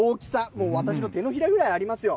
もう私の手のひらぐらいありますよ。